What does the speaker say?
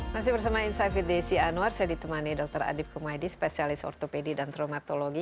masih bersama insight with desi anwar saya ditemani dr adib kumaydi spesialis ortopedi dan traumatologi